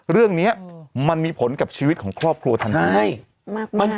เรื่องเนี้ยมันมีผลกับชีวิตของครอบครัวทำใช่มากมาก